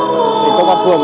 công an phường cũng tập trung